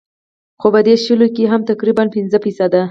خو پۀ دې شلو کښې هم تقريباً پنځه فيصده